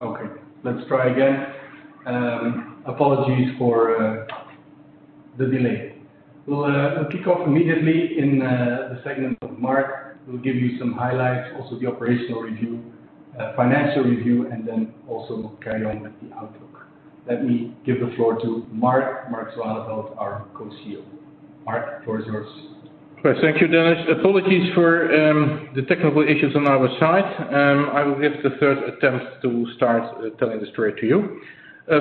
Okay, let's try again. Apologies for the delay. We'll kick off immediately in the segment of Marc. We'll give you some highlights, also the operational review, financial review, and then also carry on with the outlook. Let me give the floor to Marc. Marc Zwaaneveld, our Co-CEO. Marc, the floor is yours. Thank you, Dennis. Apologies for the technical issues on our side. I will give the third attempt to start telling the story to you.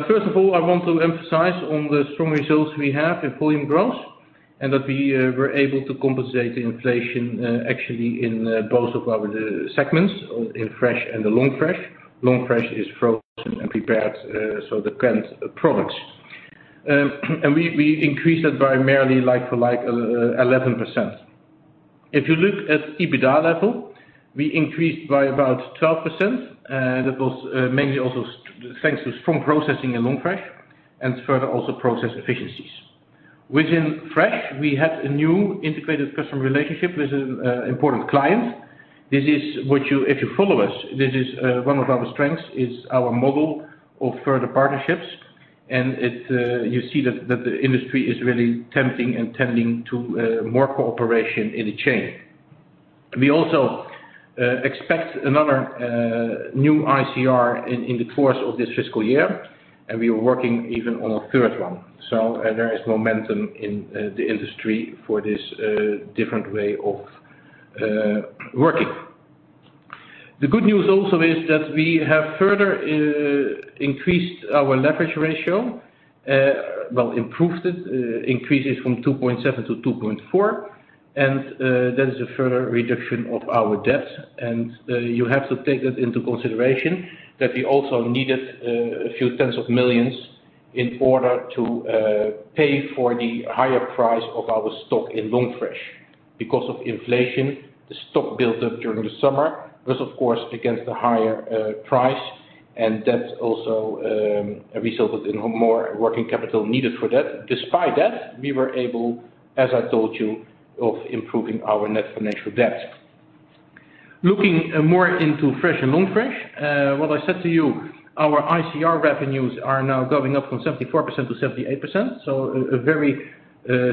First of all, I want to emphasize on the strong results we have in volume growth, and that we were able to compensate the inflation, actually in both of our segments, in Fresh and the Long Fresh. Long Fresh is frozen and prepared, so the current products. And we increased that by merely like for like, 11%. If you look at EBITDA level, we increased by about 12%, and that was mainly also thanks to strong processing in Long Fresh and further also process efficiencies. Within Fresh, we had a new integrated customer relationship with an important client. This is what you – if you follow us, this is one of our strengths is our model of further partnerships, and it you see that the industry is really tempting and tending to more cooperation in the chain. We also expect another new ICR in the course of this fiscal year, and we are working even on a third one. So there is momentum in the industry for this different way of working. The good news also is that we have further increased our leverage ratio, well, improved it, increases from 2.7 to 2.4, and that is a further reduction of our debt. You have to take that into consideration, that we also needed a few tens of millions in order to pay for the higher price of our stock in Long Fresh. Because of inflation, the stock built up during the summer, was, of course, against the higher price, and that also resulted in more working capital needed for that. Despite that, we were able, as I told you, of improving our net financial debt. Looking more into Fresh and Long Fresh, what I said to you, our ICR revenues are now going up from 74% to 78%, so a very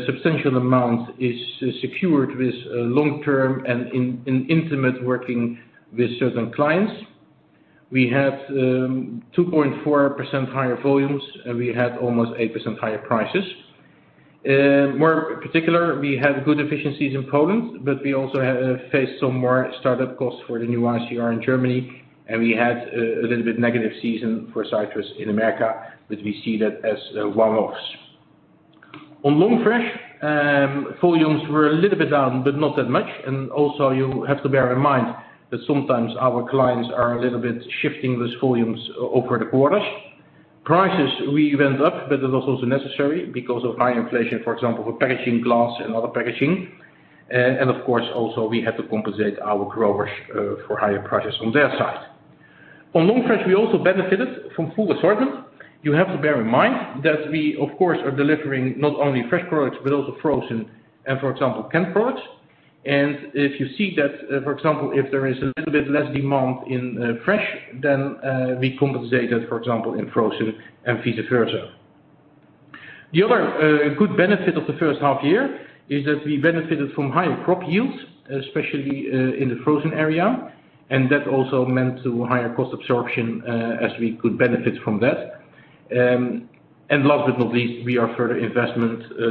substantial amount is secured with long-term and in intimate working with certain clients. We have 2.4 higher volumes, and we had almost 8% higher prices. More particular, we had good efficiencies in Poland, but we also had faced some more startup costs for the new ICR in Germany, and we had a little bit negative season for citrus in America, but we see that as one-offs. On Long Fresh, volumes were a little bit down, but not that much. And also you have to bear in mind that sometimes our clients are a little bit shifting those volumes over the quarters. Prices, we went up, but that was also necessary because of high inflation, for example, for packaging glass and other packaging. And of course also we had to compensate our growers for higher prices on their side. On Long Fresh, we also benefited from full assortment. You have to bear in mind that we, of course, are delivering not only fresh products, but also frozen and, for example, canned products. And if you see that, for example, if there is a little bit less demand in fresh, then we compensate that, for example, in frozen and vice versa. The other good benefit of the H1 year is that we benefited from higher crop yields, especially in the frozen area, and that also meant to higher cost absorption as we could benefit from that. And last but not least, we are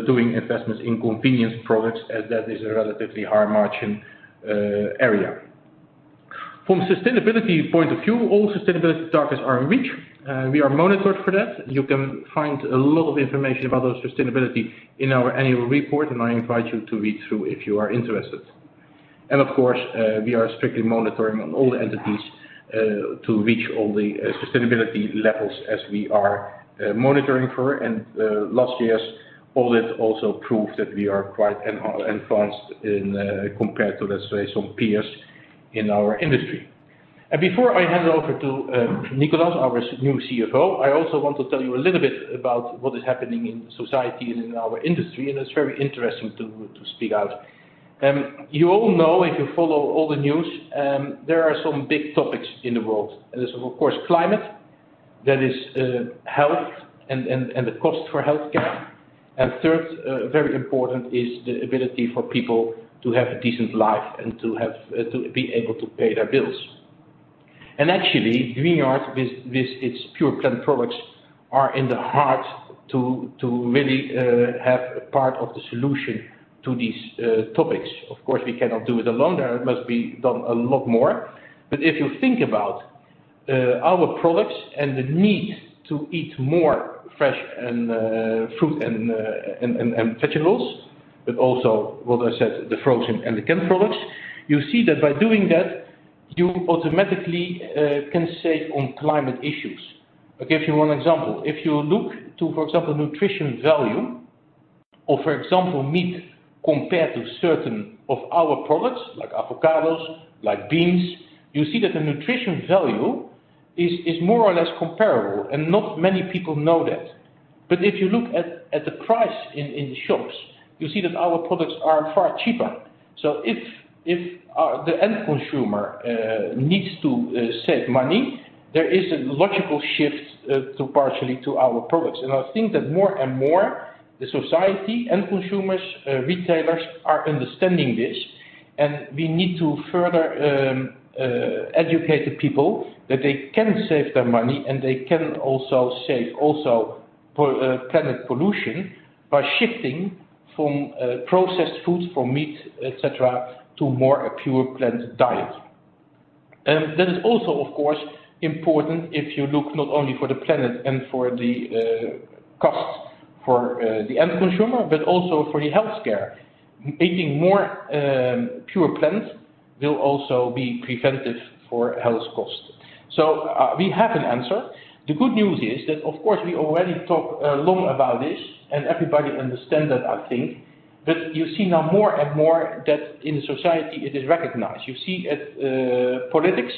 doing investments in convenience products, as that is a relatively high margin area. From sustainability point of view, all sustainability targets are in reach, and we are monitored for that. You can find a lot of information about our sustainability in our annual report, and I invite you to read through if you are interested. Of course, we are strictly monitoring on all entities to reach all the sustainability levels as we are monitoring for. Last year's audit also proved that we are quite advanced in, compared to, let's say, some peers in our industry. Before I hand over to Nicolas, our new CFO, I also want to tell you a little bit about what is happening in society and in our industry, and it's very interesting to speak out. You all know, if you follow all the news, there are some big topics in the world. And there's, of course, climate, there is, health and, and, and the cost for healthcare, and third, very important, is the ability for people to have a decent life and to have to be able to pay their bills. And actually, Greenyard with its pure plant products, are in the heart to really have a part of the solution to these topics. Of course, we cannot do it alone, there must be done a lot more. But if you think about our products and the need to eat more fresh and fruit and vegetables, but also what I said, the frozen and the canned products, you see that by doing that, you automatically can save on climate issues. I'll give you one example. If you look to, for example, nutrition value, or for example, meat, compared to certain of our products, like avocados, like beans, you see that the nutrition value is more or less comparable, and not many people know that. But if you look at the price in shops, you see that our products are far cheaper. So if the end consumer needs to save money, there is a logical shift to partially to our products. And I think that more and more, the society, end consumers, retailers are understanding this, and we need to further educate the people that they can save their money, and they can also save also for planet pollution by shifting from processed foods, from meat, et cetera, to more a pure plant diet. And that is also, of course, important if you look not only for the planet and for the cost for the end consumer, but also for the healthcare. Eating more pure plants will also be preventive for health costs. So we have an answer. The good news is that, of course, we already talked long about this, and everybody understand that, I think. But you see now more and more that in the society, it is recognized. You see at politics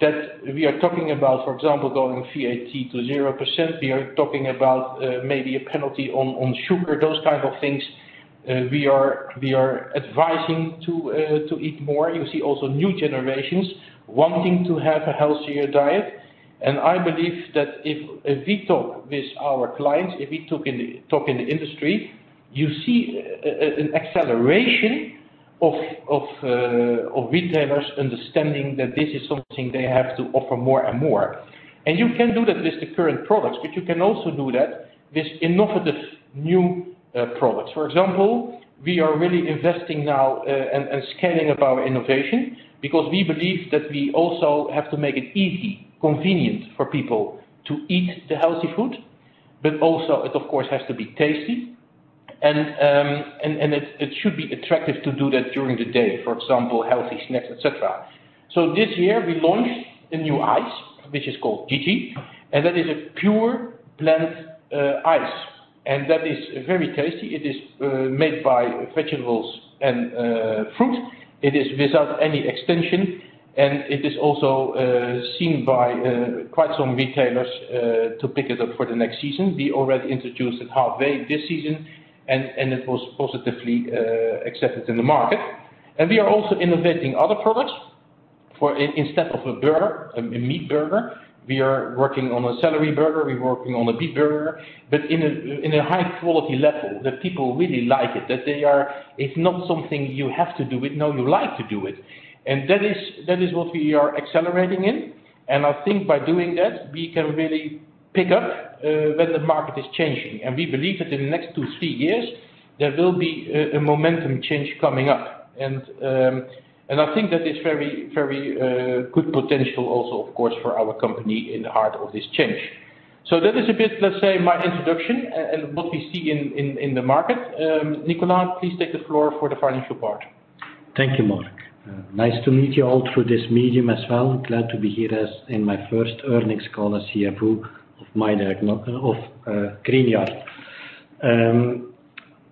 that we are talking about, for example, going VAT to 0%. We are talking about maybe a penalty on sugar, those type of things. We are advising to eat more. You see also new generations wanting to have a healthier diet. I believe that if we talk with our clients, if we talk in the industry, you see, an acceleration of retailers understanding that this is something they have to offer more and more. You can do that with the current products, but you can also do that with innovative new products. For example, we are really investing now and scaling up our innovation because we believe that we also have to make it easy, convenient for people to eat the healthy food, but also it, of course, has to be tasty. It should be attractive to do that during the day, for example, healthy snacks, et cetera. This year we launched a new ice, which is called Gigi, and that is a pure plant ice, and that is very tasty. It is made by vegetables and fruit. It is without any extension, and it is also seen by quite some retailers to pick it up for the next season. We already introduced it halfway this season, and it was positively accepted in the Marcet. And we are also innovating other products. For instead of a burger, a meat burger, we are working on a celery burger, we're working on a beet burger, but in a high quality level, that people really like it. That they are... It's not something you have to do it, no, you like to do it. And that is what we are accelerating in, and I think by doing that, we can really pick up when the Marcet is changing. And we believe that in the next 2-3 years, there will be a momentum change coming up. And, and I think that is very, very good potential also, of course, for our company in the heart of this change. So that is a bit, let's say, my introduction, and what we see in the Marcet. Nicolas, please take the floor for the financial part. Thank you, Marc. Nice to meet you all through this medium as well. Glad to be here as in my first earnings call as CFO of Greenyard.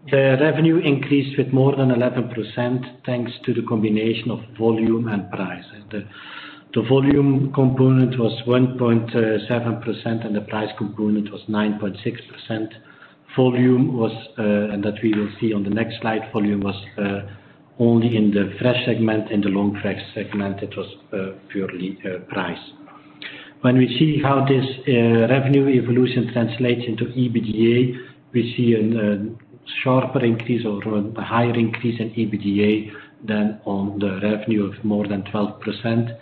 The revenue increased with more than 11%, thanks to the combination of volume and price. The volume component was 1.7%, and the price component was 9.6%. Volume was, and that we will see on the next slide, volume was only in the Fresh segment. In the long Fresh segment, it was purely price. When we see how this revenue evolution translates into EBITDA, we see a sharper increase or a higher increase in EBITDA than on the revenue of more than 12%.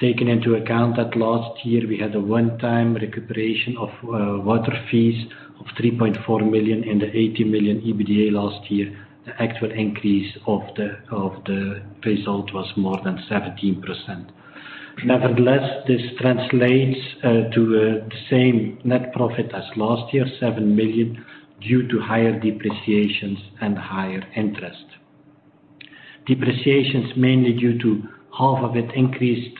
Taking into account that last year we had a one-time recuperation of water fees of 3.4 million and the 80 million EBITDA last year, the actual increase of the result was more than 17%. Nevertheless, this translates to the same net profit as last year, 7 million, due to higher depreciations and higher interest. Depreciations mainly due to half of it increased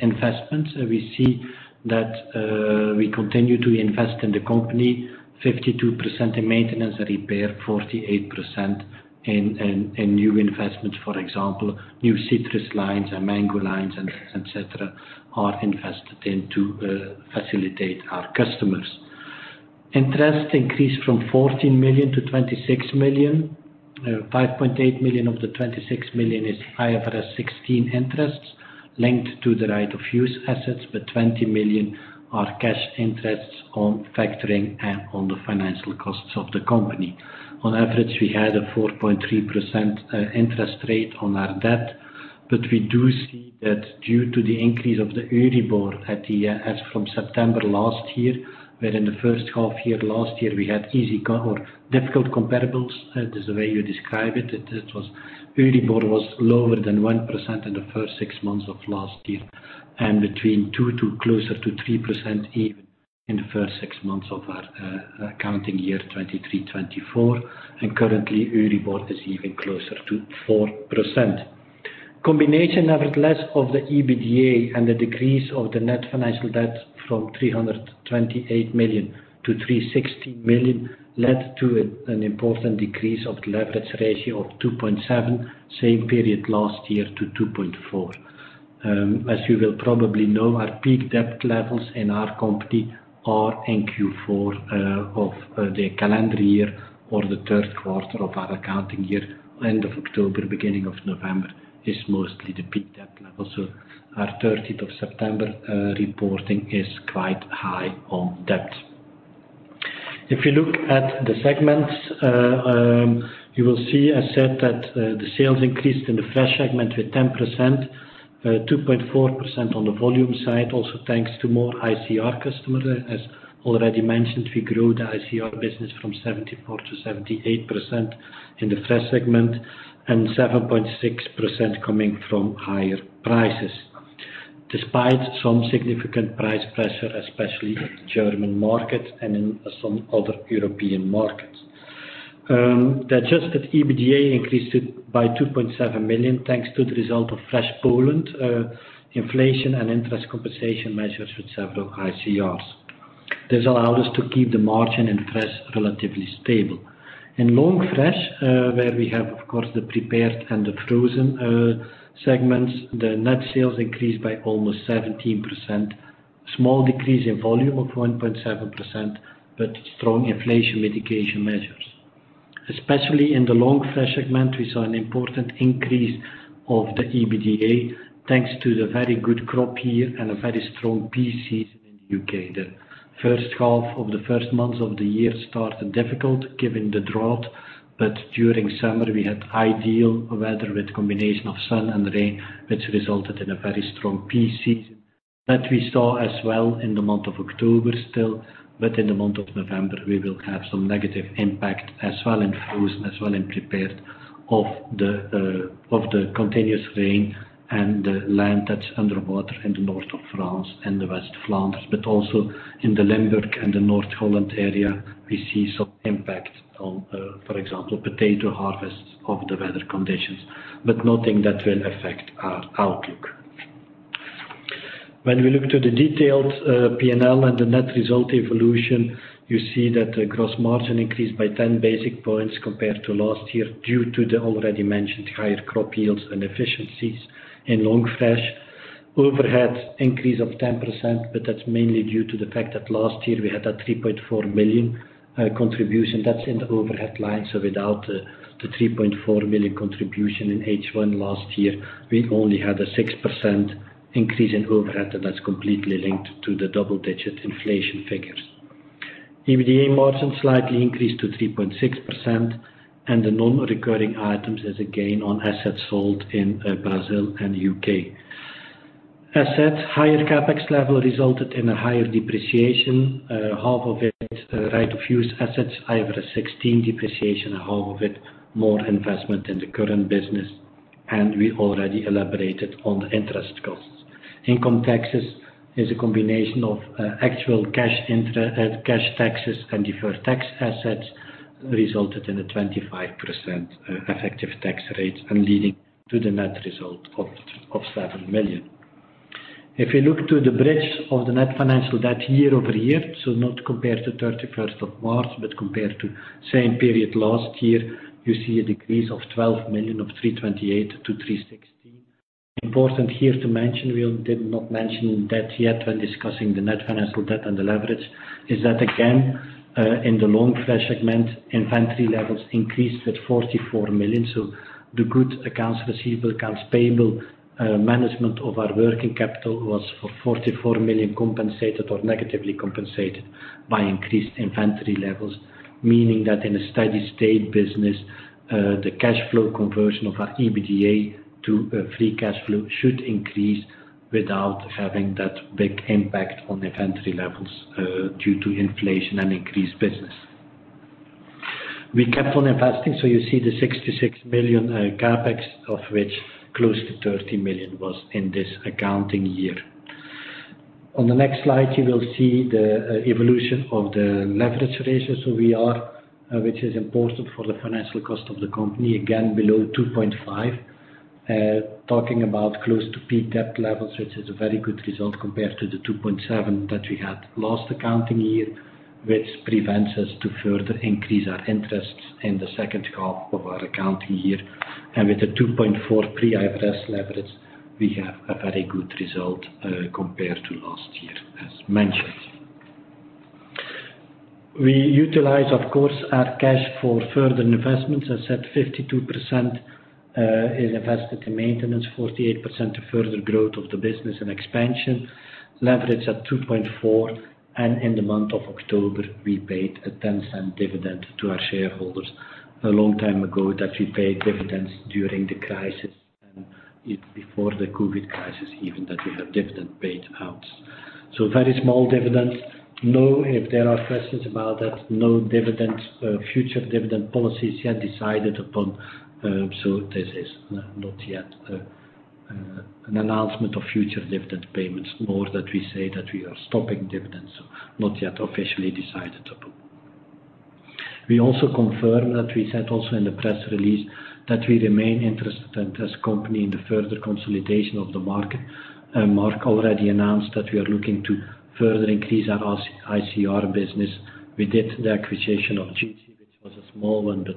investments. We see that we continue to invest in the company, 52% in maiNtenance and repair, 47% in new investments, for example, new citrus lines and mango lines and et cetera, are invested in to facilitate our customers. Interest increased from 14 million to 26 million. 5.8 million of the 26 million is IFRS 16 interests linked to the right-of-use assets, but 22 million are cash interests on factoring and on the financial costs of the company. On average, we had a 4.3%, interest rate on our debt, but we do see that due to the increase of the EURIBOR at the, as from September last year, where in the H1 year, last year, we had easy or difficult comparables, is the way you describe it. It was EURIBOR was lower than 1% in the first six months of last year, and between 2% to closer to 3% even in the first six months of our, accounting year, 2023-2024. And currently, EURIBOR is even closer to 6%. Combination of less of the EBITDA and the decrease of the net financial debt from 328 million to 360 million led to an important decrease of the leverage ratio of 2.7, same period last year to 2.4. As you will probably know, our peak debt levels in our company are in Q4 of the calendar year or the third quarter of our accounting year. End of October, beginning of November is mostly the peak debt level. So our 30 September reporting is quite high on debt. If you look at the segments, you will see, I said that, the sales increased in the Fresh segment with 10%, 2.4% on the volume side, also thanks to more ICR customers. As already mentioned, we grew the ICR business from 74%-78% in the Fresh segment, and 7.6% coming from higher prices. Despite some significant price pressure, especially in the German Marcet and in some other European Marcets. The adjusted EBITDA increased it by 2.7 million, thanks to the result of Fresh Poland, inflation and interest compensation measures with several ICRs. This allowed us to keep the margin in Fresh, relatively stable. In Long Fresh, where we have, of course, the prepared and the frozen segments, the net sales increased by almost 17%. Small decrease in volume of 1.7%, but strong inflation mitigation measures. Especially in the Long Fresh segment, we saw an important increase of the EBITDA, thanks to the very good crop year and a very strong peak season in the U.K. The H1 of the first months of the year started difficult, given the drought, but during summer we had ideal weather with combination of sun and rain, which resulted in a very strong peak season. That we saw as well in the month of October still, but in the month of November, we will have some negative impact, as well in frozen, as well in prepared, of the continuous rain and the land that's underwater in the north of France and the West Flanders, but also in the Limburg and the North Holland area, we see some impact on, for example, potato harvests of the weather conditions, but nothing that will affect our outlook. When we look to the detailed, P&L and the net result evolution, you see that the gross margin increased by 10 basis points compared to last year, due to the already mentioned higher crop yields and efficiencies in Long Fresh. Overhead increase of 10%, but that's mainly due to the fact that last year we had a 3.4 million contribution. That's in the overhead line, so without the 3.4 million contribution in H1 last year, we only had a 6% increase in overhead, and that's completely linked to the double-digit inflation figures. EBITDA margin slightly increased to 3.6%, and the non-recurring items is again on assets sold in Brazil and UK. Assets, higher CapEx level resulted in a higher depreciation, half of it right-of-use assets, IFRS 16 depreciation, 1/2 of it more investment in the current business, and we already elaborated on the interest costs. Income taxes is a combination of actual cash taxes and deferred tax assets, resulted in a 25% effective tax rate and leading to the net result of 7 million. If you look to the bridge of the net financial debt year-over-year, so not compared to 31 March, but compared to same period last year, you see a decrease of 12 million of 328 to 360. Important here to mention, we did not mention that yet when discussing the net financial debt and the leverage, is that again, in the Long Fresh segment, inventory levels increased with 44 million. So the good accounts receivable, accounts payable, management of our working capital was for 44 million, compensated or negatively compensated by increased inventory levels. Meaning that in a steady state business, the cash flow conversion of our EBITDA to, free cash flow should increase without having that big impact on inventory levels, due to inflation and increased business. We kept on investing, so you see the 66 million, CapEx, of which close to 30 million was in this accounting year. On the next slide, you will see the, evolution of the leverage ratio. So we are, which is important for the financial cost of the company, again, below 2.5. Talking about close to peak debt levels, which is a very good result compared to the 2.3 that we had last accounting year, which prevents us to further increase our interests in the second half of our accounting year. With the 2.4 pre-IFRS leverage, we have a very good result compared to last year, as mentioned. We utilize, of course, our cash for further investments. I said 52% is invested in maintenance, 48% to further growth of the business and expansion. Leverage at 2.4, and in the month of October, we paid a 0.10 dividend to our shareholders. A long time ago, that we paid dividends during the crisis, and it before the COVID crisis, even that we have dividend paid out. So very small dividend. No, if there are questions about that, no dividend, future dividend policy is yet decided upon, so this is not yet an announcement of future dividend payments, more that we say that we are stopping dividends, so not yet officially decided upon. We also confirm that we said also in the press release, that we remain interested in this company in the further consolidation of the Marcet. And Marc already announced that we are looking to further increase our ICR business. We did the acquisition of Gigi, which was a small one, but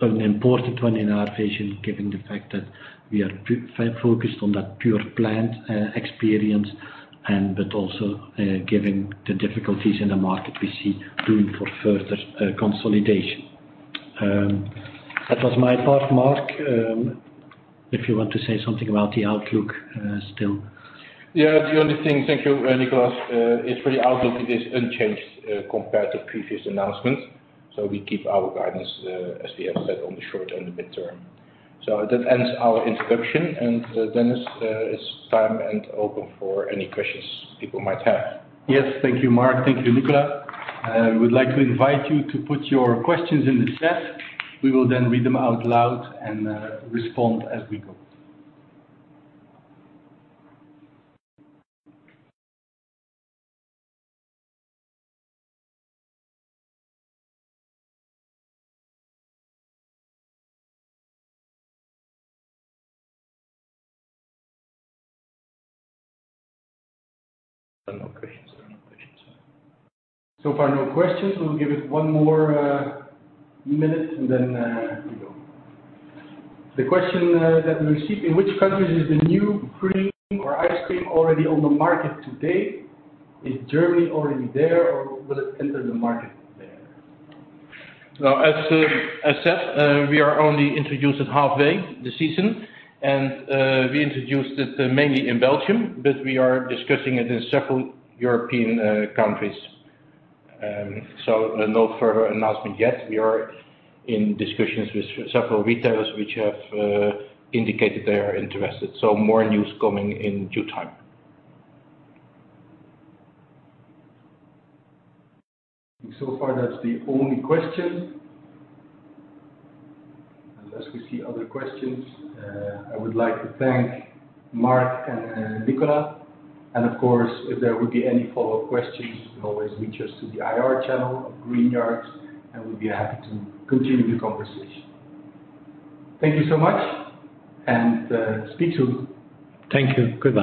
an important one in our vision, given the fact that we are focused on that pure plant experience, and but also, given the difficulties in the Marcet, we see room for further consolidation. That was my part, Marc. If you want to say something about the outlook, still. Yeah, the only thing, thank you, Nicolas, is for the outlook. It is unchanged compared to previous announcements. So we keep our guidance, as we have said on the short and the midterm. So that ends our introduction, and Dennis, it's time and open for any questions people might have. Yes, thank you, Marc. Thank you, Nicolas. I would like to invite you to put your questions in the chat. We will then read them out loud and respond as we go. There are no questions. There are no questions. So far, no questions. We'll give it one more minute, and then we go. The question that we received: In which countries is the new cream or ice cream already on the Marcet today? Is Germany already there, or will it enter the Marcet there? Now, as said, we only introduced it halfway through the season, and we introduced it mainly in Belgium, but we are discussing it in several European countries. So no further announcement yet. We are in discussions with several retailers which have indicated they are interested, so more news coming in due time. So far, that's the only question. Unless we see other questions, I would like to thank Marc and Nicolas, and of course, if there would be any follow-up questions, you can always reach us through the IR channel of Greenyard, and we'd be happy to continue the conversation. Thank you so much, and speak to you. Thank you. Goodbye.